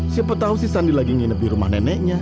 siapa tahu si sandi lagi nginep di rumah neneknya